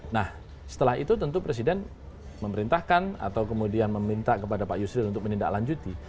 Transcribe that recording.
nah setelah itu tentu presiden memerintahkan atau kemudian meminta kepada pak yusril untuk menindaklanjuti